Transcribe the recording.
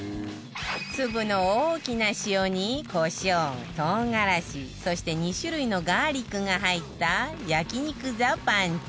粒の大きな塩にコショウ唐辛子そして２種類のガーリックが入った焼肉ザパンチ